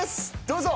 どうぞ。